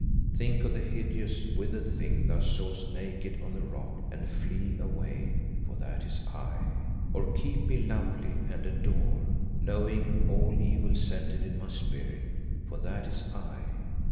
Think of the hideous, withered Thing thou sawest naked on the rock, and flee away, for that is I. Or keep me lovely, and adore, knowing all evil centred in my spirit, for that is I.